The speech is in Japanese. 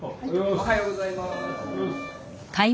おはようございます。